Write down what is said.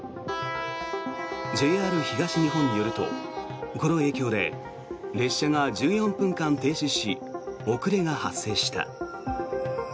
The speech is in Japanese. ＪＲ東日本によるとこの影響で列車が１４分間停止し遅れが発生した。